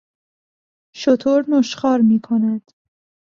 شتر نشخوار میکند.